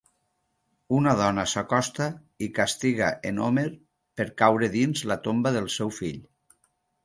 Una dona s'acosta i castiga en Homer per caure dins la tomba del seu fill.